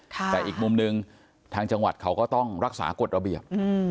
แต่อีกมุมหนึ่งทางจังหวัดเขาก็ต้องรักษากฎระเบียบ